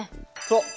そう。